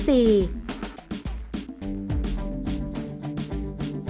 จุดที่๓รวมภาพธนบัตรที่๙